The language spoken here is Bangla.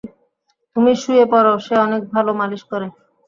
তুমি শুয়ে পরো, সে অনেক ভালো মালিশ করে।